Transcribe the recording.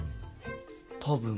多分。